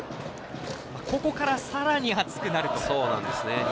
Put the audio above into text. ここからさらに暑くなると。